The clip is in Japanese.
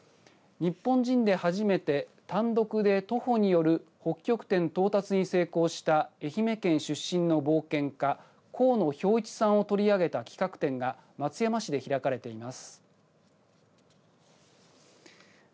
日本人で初めて単独で徒歩による北極点到達に成功した愛媛県出身の冒険家河野兵市さんを取り上げた企画展が松山市で開かれています。